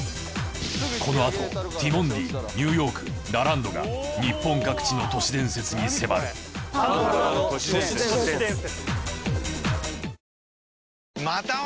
このあとティモンディニューヨークラランドが日本各地の都市伝説に迫るパンドラの都市伝説。